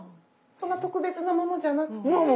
そんな特別なものじゃなくて？